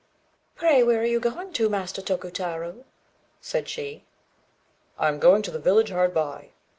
"Pray, where are you going to, Master Tokutarô?" said she. "I am going to the village hard by."